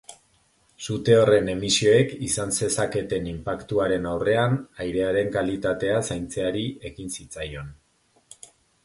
Sute horren emisioek izan zezaketen inpaktuaren aurrean, airearen kalitatea zaintzeari ekin zitzaion.